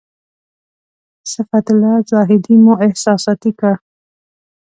صفت الله زاهدي مو احساساتي کړ.